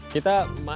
kami akan kembali